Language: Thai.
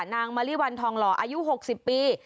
นางมะลิวันทองหล่ออายุ๖๐ปี